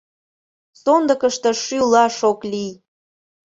Сондыкышто шӱлаш ок лий.